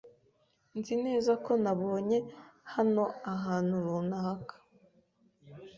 Nzi neza ko nabonye hano ahantu runaka.